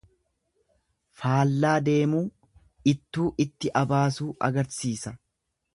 Faallaa deemuu, ittuu itti abaasuu agarsiisa.